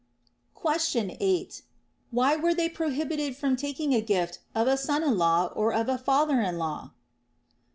Question 8. Why were they prohibited from taking a gift of a son in law or of a father in law